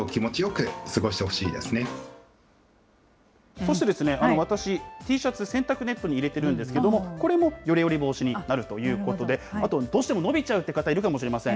そして私、Ｔシャツ、洗濯ネットに入れてるんですけど、これもよれよれ防止になるということで、あと、どうしても伸びちゃうって方、いるかもしれません。